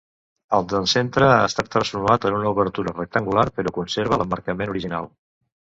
El del centre ha estat transformat en una obertura rectangular, però conserva l'emmarcament original.